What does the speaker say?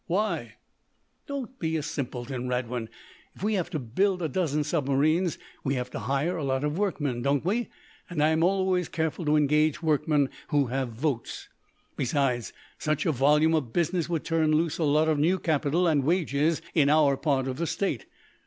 "Why?" "Don't be a simpleton, Radwin! If we have to build a dozen submarines, we have to hire a lot of workmen, don't we? And I'm always careful to engage workmen who have votes. Besides, such a volume of business would turn loose a lot of new capital and wages in our part of the state.